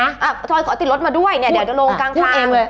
อ้าวจอยขอติดรถมาด้วยเนี่ยเดี๋ยวจะลงกลาง